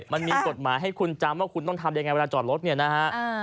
มันมีกฎหมายให้คุณจำว่าคุณต้องทำยังไงเวลาจอดรถเนี่ยนะฮะ